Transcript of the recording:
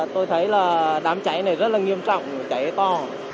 tôi thấy là đám cháy này rất là nghiêm trọng cháy to